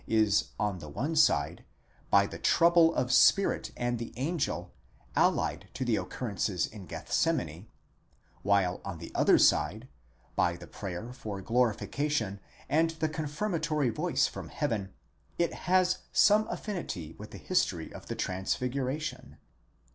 is on the one side, by the trouble of spirit and the angel, allied to the occurrences in Gethsemane, while on the other side, by the prayer for glorification and the confirmatory voice from heaven, it has some affinity with the history of the transfiguration.